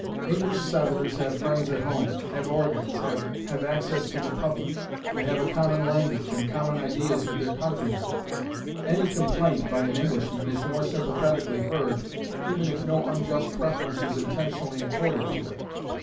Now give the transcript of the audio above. English settlers have friends at home, have organs, have access to the public; they have a common language, and common ideas with their countrymen; any complaint by an Englishman is more sympathetically heard, even if no unjust preference is intentionally accorded to it.